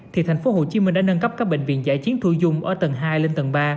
thì tp hcm đã nâng cấp các bệnh viện giải chiến thu dung ở tầng hai lên tầng ba